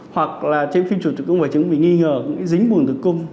hoặc là trên phim trụ tử cung và chứng minh nghi ngờ những cái dính bùn tử cung